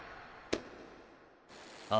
ああ。